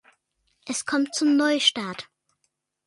Es kommt zum Neustart.